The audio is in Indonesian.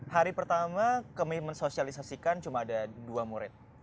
hari pertama kami mensosialisasikan cuma ada dua murid